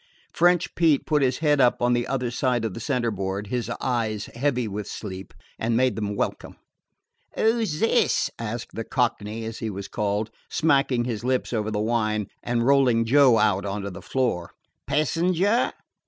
French Pete put his head up on the other side of the centerboard, his eyes heavy with sleep, and made them welcome. "'Oo 's this?" asked the Cockney, as he was called, smacking his lips over the wine and rolling Joe out upon the floor. "Passenger?"